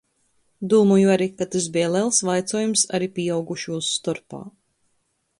Dūmoju ari, ka tys beja lels vaicuojums ari pīaugušūs storpā.